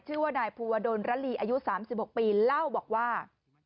ชื่อว่านายภูวดลระลีอายุ๓๖ปีเล่าบอกว่า